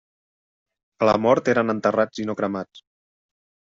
A la mort eren enterrats i no cremats.